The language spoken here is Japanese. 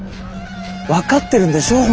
分かってるんでしょう？